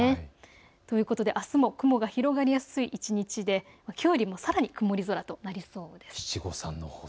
ということで、あすも雲が広がりやすい一日できょうよりもさらに曇り空となりそうです。